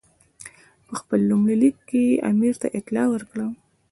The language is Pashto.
په خپل لومړي لیک کې یې امیر ته اطلاع ورکړه.